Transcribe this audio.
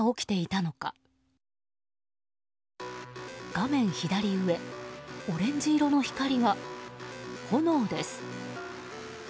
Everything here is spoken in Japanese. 画面左上オレンジ色の光は炎です。